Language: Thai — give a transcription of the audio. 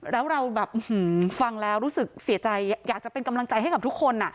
แล้วเราแบบฟังแล้วรู้สึกเสียใจอยากจะเป็นกำลังใจให้กับทุกคน